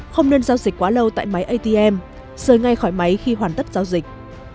không nên giao dịch quá lâu tại máy atm rời ngay khỏi máy khi hoàn tất giao dịch